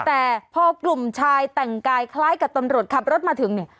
แต่พอกลุ่มชายแต่งกายคล้ายกับตำรวจขับรถมาถึงเนี่ย